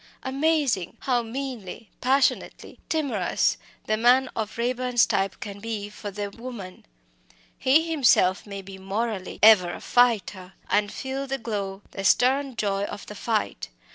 Amazing! how meanly, passionately timorous the man of Raeburn's type can be for the woman! He himself may be morally "ever a fighter," and feel the glow, the stern joy of the fight.